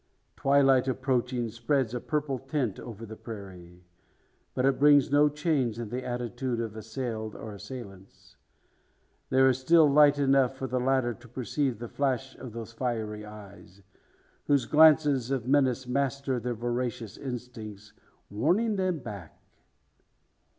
Twilight approaching, spreads a purple tint over the prairie. But it brings no change in the attitude of assailed, or assailants. There is still light enough for the latter to perceive the flash of those fiery eyes, whose glances of menace master their voracious instincts, warning them back.